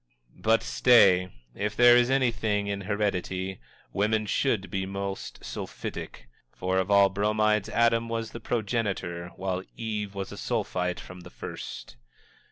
But stay! If there is anything in heredity, women should be most sulphitic. For of all Bromides Adam was the progenitor, while Eve was a Sulphite from the first!